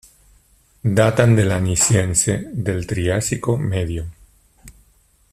Datan del Anisiense del Triásico Medio.